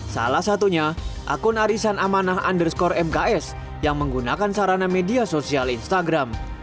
salah satunya akun arisan amanah underscore mks yang menggunakan sarana media sosial instagram